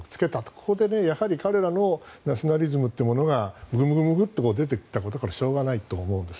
ここで彼らのナショナリズムというものが出てくるのはしょうがないと思うんです。